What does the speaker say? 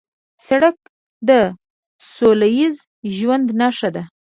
سړک د سولهییز ژوند نښه ده.